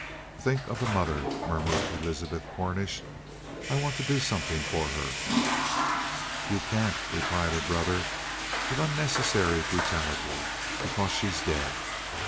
"Think of the mother," murmured Elizabeth Cornish. "I want to do something for her." "You can't," replied her brother, with unnecessary brutality. "Because she's dead.